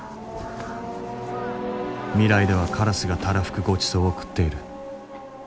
未来ではカラスがたらふくごちそうを食っている。